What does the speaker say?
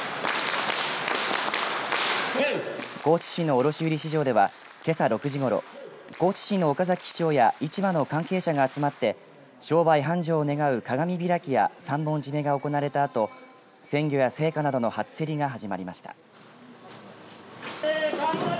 高知市の卸売市場ではけさ６時ごろ高知市の岡崎市長や市場の関係者が集まって商売繁盛を願う鏡開きや三本締めが行われたあと鮮魚や青果などの初競りが始まりました。